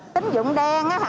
tính dụng đen